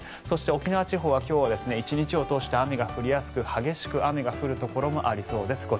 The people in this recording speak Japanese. そして沖縄地方は今日は１日を通して雨が降りやすく激しく雨が降るところもありそうです。